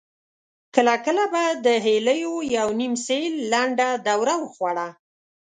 کله کله به د هيليو يوه نيم سېل لنډه دوره وخوړه.